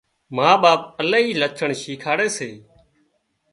ما ٻاپ الاهي لڇڻ شيکاڙي سي